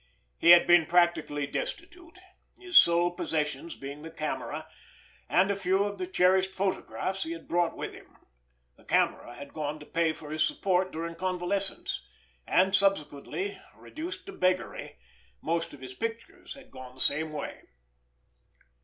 He had been practically destitute, his sole possessions being the camera and a few of the cherished photographs he had brought with him. The camera had gone to pay for his support during convalescence; and subsequently, reduced to beggary, most of his pictures had gone the same way.